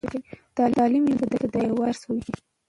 تعلیم نجونو ته د یووالي درس ورکوي.